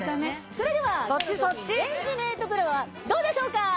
それではレンジメートプロはどうでしょうか？